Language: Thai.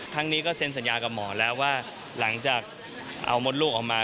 ครั้งนี้ก็เซ็นสัญญากับหมอแล้วว่าหลังจากเอามดลูกออกมา